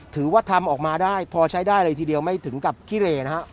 ถือว่าทำออกมาได้พอใช้ได้เลยทีเดียวไม่ถึงกับขี้เรนะฮะ